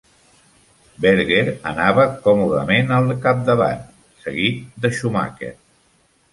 Berger anava còmodament al capdavant, seguit de Schumacher.